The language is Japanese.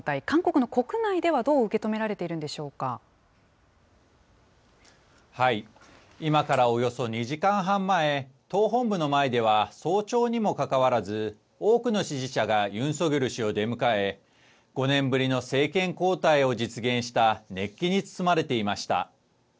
韓国の国内ではどう受け止められ今からおよそ２時間半前、党本部の前では、早朝にもかかわらず、多くの支持者がユン・ソギョル氏を出迎え、５年ぶりの政権交代を実現した熱気に包まれていました。